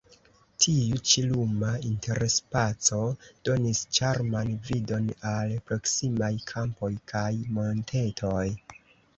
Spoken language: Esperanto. Tiu ĉi luma interspaco donis ĉarman vidon al proksimaj kampoj kaj montetoj.